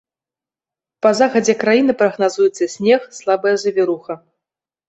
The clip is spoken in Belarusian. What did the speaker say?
Па захадзе краіны прагназуецца снег, слабая завіруха.